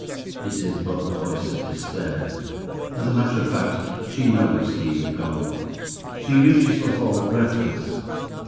It is but the voice of despair. As a matter of fact, she knows he is gone. She reaches the hall, breathless.